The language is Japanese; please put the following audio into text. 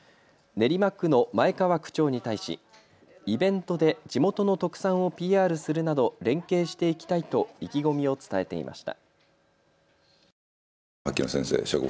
練馬区の前川区長に対しイベントで地元の特産をＰＲするなど連携していきたいと意気込みを伝えていました。